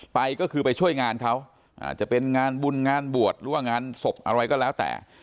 ไปก็คือไปช่วยงานเขาอาจจะเป็นงานบุญงานบวชหรือว่างานศพอะไรก็แล้วแต่